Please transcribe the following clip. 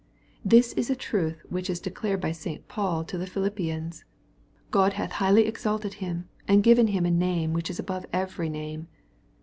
'' This is a truth which is declared by St. Paul to the Philippians, " God hath highly exalted Him and given Him a name which is above every name."